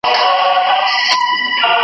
لار به وي ورکه له کاروانیانو .